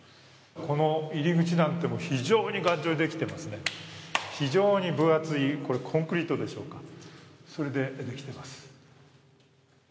この入り口なんて非常に頑丈にできてますね、非常に分厚い、これ、コンクリートでしょうか、それでできています。